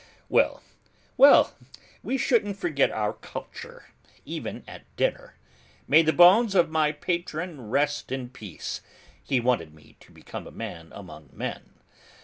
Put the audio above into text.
Well, well, we shouldn't forget our culture, even at dinner. May the bones of my patron rest in peace, he wanted me to become a man among men.